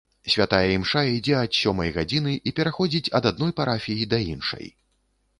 Святая імша ідзе ад сёмай гадзіны і пераходзіць ад адной парафіі да іншай.